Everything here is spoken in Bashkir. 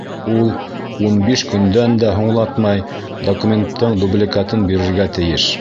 Ул, ун биш көндән дә һуңлатмай, документтың дубликатын бирергә тейеш.